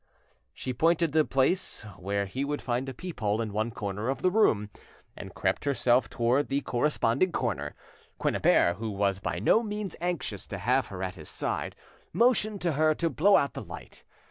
She pointed to the place where he would find a peep hole in one corner of the room, and crept herself towards the corresponding corner. Quennebert, who was by no means anxious to have her at his side, motioned to her to blow out the light.